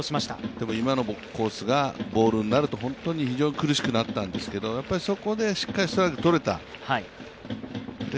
特に今のコースがボールになると非常に苦しくなったんですけどそこでしっかりストライクとれた。